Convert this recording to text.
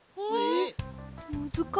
むずかしいです。